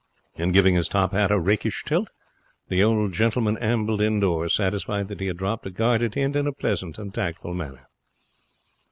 And, giving his top hat a rakish tilt, the old gentleman ambled indoors, satisfied that he had dropped a guarded hint in a pleasant and tactful manner.